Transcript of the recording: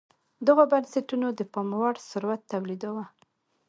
دغو بنسټونو د پاموړ ثروت تولیداوه.